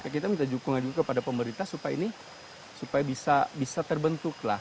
kita minta dukungan juga kepada pemerintah supaya ini supaya bisa terbentuk lah